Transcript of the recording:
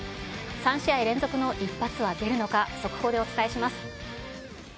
３試合連続の一発は出るのか、速報でお伝えします。